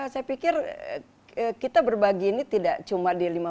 saya pikir kita berbagi ini tidak cuma di lima